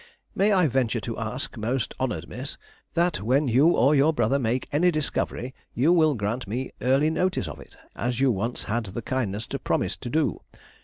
May I venture to ask, most honoured Miss, that when you or your brother make any discovery, you will grant me early notice of it, as you once had the kindness to promise to do.